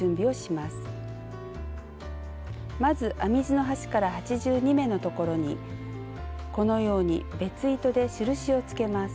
まず編み地の端から８２目のところにこのように別糸で印をつけます。